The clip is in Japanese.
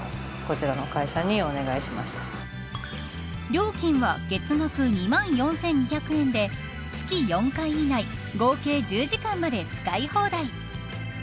料金は月額２万４２００円で月４回以内合計１０時間まで使い放題。